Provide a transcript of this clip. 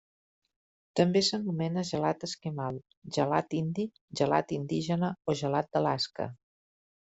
També s'anomena gelat esquimal, gelat indi, gelat indígena o gelat d'Alaska.